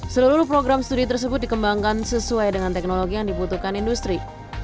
seluruh program studi tersebut dikembangkan sesuai dengan teknologi yang dibutuhkan industri